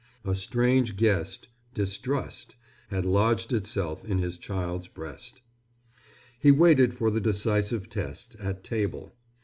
A strange guest, Distrust, had lodged itself in his child's breast. He waited for the decisive test, at table.